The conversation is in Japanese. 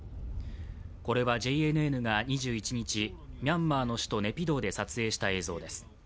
これはＪＮＮが２１日、ミャンマーの首都ネピドーで撮影した映像です。